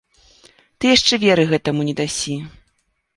Ты яшчэ веры гэтаму не дасі.